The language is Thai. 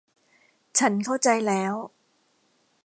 ฉันเข้าใจแล้ว